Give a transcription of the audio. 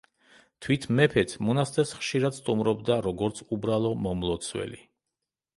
თვით მეფეც, მონასტერს ხშირად სტუმრობდა როგორც უბრალო მომლოცველი.